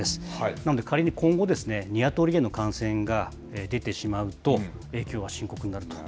なので、仮に今後ですね、ニワトリへの感染が出てしまうと、影響は深刻になると。